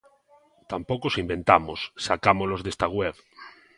Tampouco os inventamos, sacámolos desta web.